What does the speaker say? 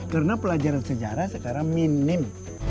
karena pelajaran sejarah sekarang minim